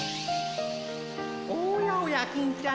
おやおや金ちゃん